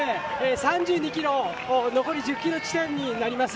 ３２キロ残り１０キロ地点になります。